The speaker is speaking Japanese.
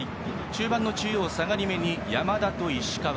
中盤の中央、下がりめに山田と石川。